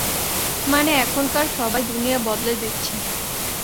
মানে, এখানকার সবাই দুনিয়া বদলে দিচ্ছে।